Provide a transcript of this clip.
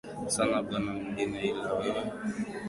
Sina Bwana mwingine ila wewe